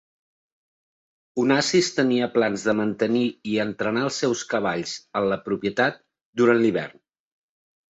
Onassis tenia plans de mantenir i entrenar els seus cavalls en la propietat durant l'hivern.